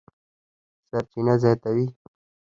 سرچینه زیاتوي